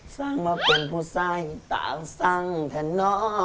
สั่งมาเป็นผู้สายตาสั่งแท่น้อง